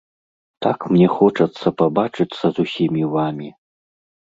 Так мне хочацца пабачыцца з усімі вамі.